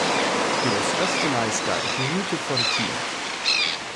He was just a nice guy who rooted for the team.